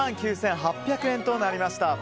１万９８００円となりました。